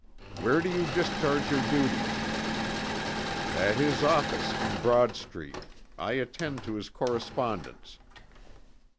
"Where do you discharge your duties?" "At his office in Broad Street. I attend to his correspondence."